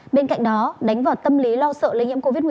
bên cạnh đó đánh vào tâm lý lo sợ lây nhiễm covid một mươi